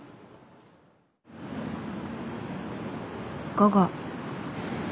午後。